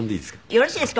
よろしいですか？